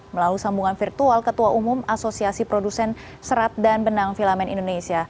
melalui sambungan virtual ketua umum asosiasi produsen serat dan benang filamen indonesia